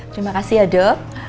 terima kasih ya dok